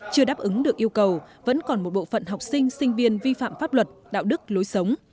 chưa đáp ứng được yêu cầu vẫn còn một bộ phận học sinh sinh viên vi phạm pháp luật đạo đức lối sống